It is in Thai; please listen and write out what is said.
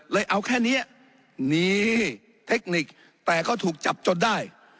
เอาแค่นี้มีเทคนิคแต่ก็ถูกจับจนได้